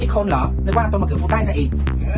อีกคนเหรอนึกว่าต้นมะเกือบฟูตได้ซะอีก